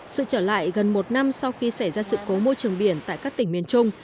sự trở lại gần một năm sau khi xảy ra sự cố môi trường biển tại các tỉnh miền trung